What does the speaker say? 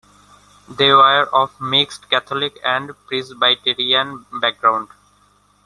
They were of mixed Catholic and Presbyterian background.